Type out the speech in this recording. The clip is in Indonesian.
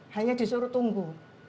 hanya disuruh tunggu